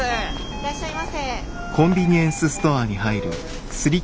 いらっしゃいませ。